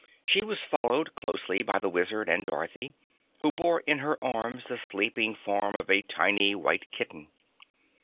She was followed closely by the Wizard and Dorothy, who bore in her arms the sleeping form of a tiny, white kitten.